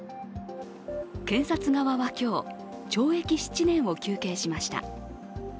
検察側は今日、懲役７年を求刑しました。